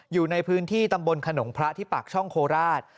อยู่ในพื้นที่ตำบลขนงพระที่ปากช่องโคราช